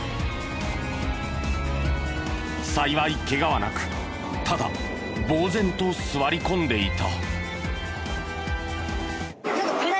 幸いケガはなくただ呆然と座り込んでいた。